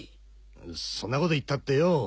そんなこと言ったってよぉ。